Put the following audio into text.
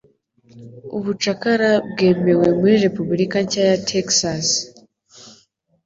Ubucakara bwemewe muri Repubulika nshya ya Texas.